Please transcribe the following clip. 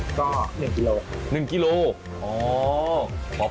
ก็๑กิโลกรัมครับครับ๑กิโลกรัม